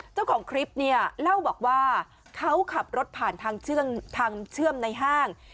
เจ้าของคลิปเนี่ยเล่าบอกว่าเขาขับรถผ่านทางเชื่อมในห้าง